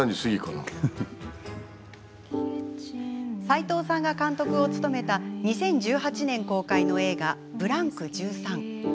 斎藤さんが監督を務めた２０１８年公開の映画「ｂｌａｎｋ１３」。